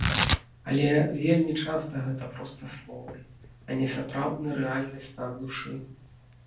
Але вельмі часта гэта проста словы, а не сапраўдны рэальны стан душы.